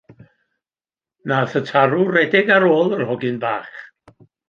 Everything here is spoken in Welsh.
Nath y tarw redeg ar ôl yr hogyn bach.